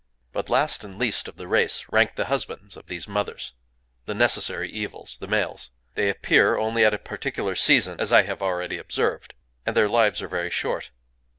But last and least of the race rank the husbands of these Mothers,—the necessary Evils,—the males. They appear only at a particular season, as I have already observed; and their lives are very short.